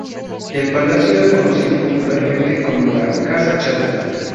El palacio era conocido popularmente como la "Casa Chata.